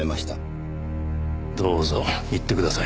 どうぞ行ってください。